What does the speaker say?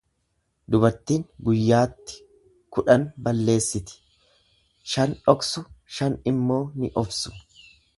Dubartin guyyaatti kudhan balleessiti shan dhoksu, shan immoo ni obsu.